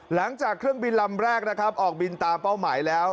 หลังจากเครื่องบินลำแรกนะครับออกบินตามเป้าหมายแล้ว